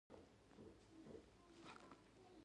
هغې سوړ اسويلى وکېښ.